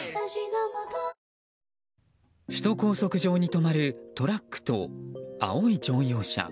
首都高速上に止まるトラックと青い乗用車。